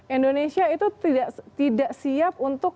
indonesia itu tidak siap untuk